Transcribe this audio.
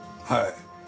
はい。